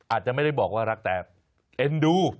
อาจจะไม่ได้บอกว่ารักแต่เอ็นดู